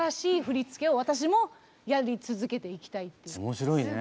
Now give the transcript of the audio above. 面白いね。